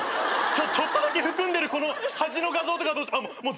ちょっとだけ含んでるこの端の画像とかどうしよう。